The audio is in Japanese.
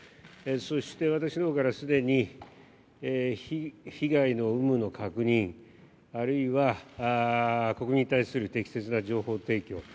そして私のほうからすでに被害の有無の確認あるいは国民に対する適切な情報提供